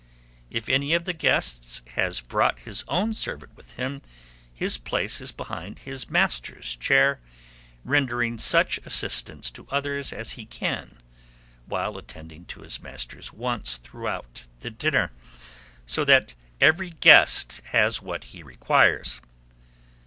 If any of the guests has brought his own servant with him, his place is behind his master's chair, rendering such assistance to others as he can, while attending to his master's wants throughout the dinner, so that every guest has what he requires.